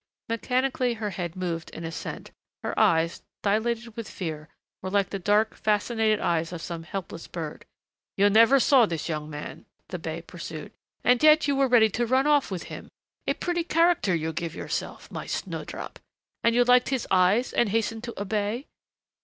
Mechanically her head moved in assent, her eyes, dilated with fear, were like the dark, fascinated eyes of some helpless bird. "You never saw this young man?" the bey pursued. "And yet you were ready to run off with him a pretty character you give yourself, my snowdrop! and you liked his eyes and hastened to obey?"